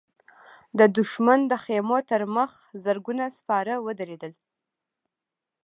د دښمن د خيمو تر مخ زرګونه سپاره ودرېدل.